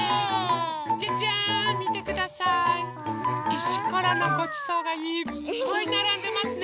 いしころのごちそうがいっぱいならんでますね。